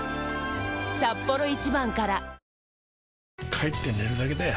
帰って寝るだけだよ